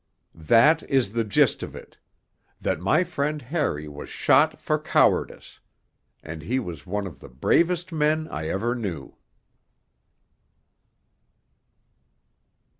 That is the gist of it; that my friend Harry was shot for cowardice and he was one of the bravest men I ever knew.